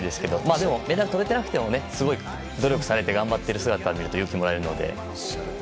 でもメダルとれてなくてもすごい努力されて頑張っている姿を見ると勇気もらえるので。